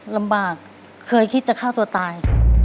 ลำบากเคยคิดจะฆ่าตัวตาย